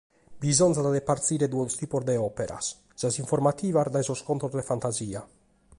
Bisòngiat de partire duos tipos de òperas: sas informativas dae sos contos de fantasia.